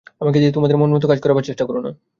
আমাকে দিয়ে তোমাদের মনোমত কাজ করাবার চেষ্টা করো না।